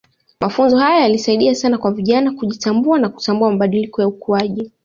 Mafunzo haya yalisaidia sana kwa vijana kujitambua na kutambua mabadiliko ya ukuaji